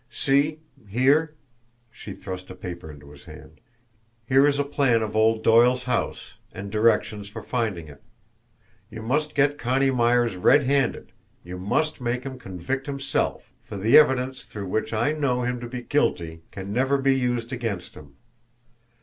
See here!" She thrust a paper into his hand. "Here is a plan of old Doyle's house, and directions for finding it. You must get Connie Myers red handed, you must make him convict himself, for the evidence through which I know him to be guilty can never be used against him.